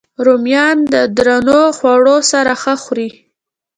رومیان د درنو خوړو سره ښه خوري